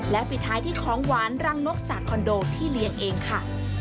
ปิดท้ายที่ของหวานรังนกจากคอนโดที่เลี้ยงเองค่ะ